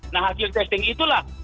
nah hasil testing itulah